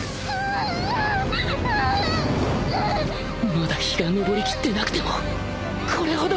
まだ日が昇りきってなくてもこれほど！